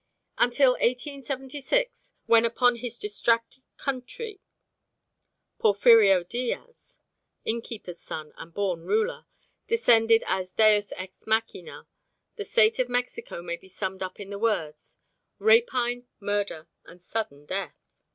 Until 1876, when upon his distracted country Porfirio Diaz, innkeeper's son and born ruler, descended as deus ex machina, the state of Mexico may be summed up in the words "rapine, murder, and sudden death."